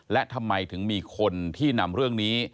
และทำไมถึงมีคนที่นำเรื่องนี้